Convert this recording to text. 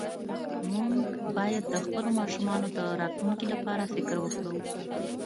مونږ باید د خپلو ماشومانو د راتلونکي لپاره فکر وکړو